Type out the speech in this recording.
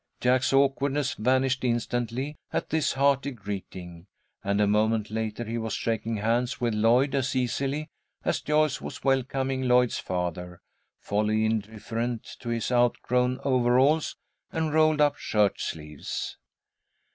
Jack's awkwardness vanished instantly at this hearty greeting, and a moment later he was shaking hands with Lloyd as easily as Joyce was welcoming Lloyd's father, wholly indifferent to his outgrown overalls and rolled up shirt sleeves.